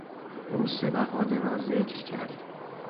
او سه بهانه را ذکر کرد.